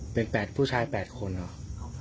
เป็น๘ผู้ชาย๘คนเหรอ